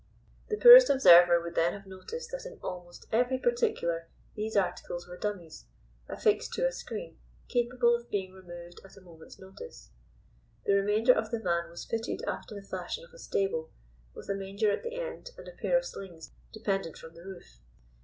The poorest observer would then have noticed that in almost every particular these articles were dummies, affixed to a screen, capable of being removed at a moment's notice. The remainder of the van was fitted after the fashion of a stable, with a manger at the end and a pair of slings dependent from the roof.